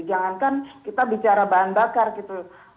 jangankan kita bicara bahan bakar gitu loh